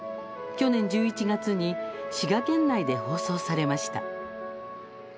去年１１月に滋賀県内で放送されました。